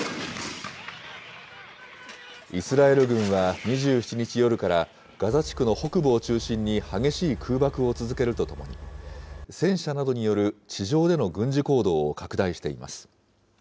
イスラエル軍は２７日夜から、ガザ地区の北部を中心に激しい空爆を続けるとともに、戦車などによる地上での軍事行動を拡大しています。